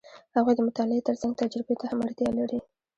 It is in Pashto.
هغوی د مطالعې ترڅنګ تجربې ته هم اړتیا لري.